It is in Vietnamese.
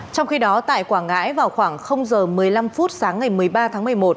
trong khi đó tại quảng ngãi vào khoảng giờ một mươi năm phút sáng ngày một mươi ba tháng một mươi một